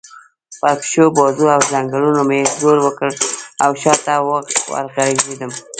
پر پښو، بازو او څنګلو مې زور وکړ او شا ته ورغړېدم.